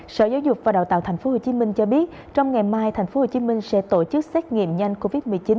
sở giáo dục và đào tạo tp hcm cho biết trong ngày mai tp hcm sẽ tổ chức xét nghiệm nhanh covid một mươi chín